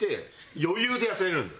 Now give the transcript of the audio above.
余裕で痩せられるんで。